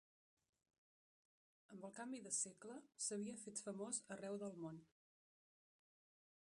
Amb el canvi de segle, s'havia fet famós a arreu del món.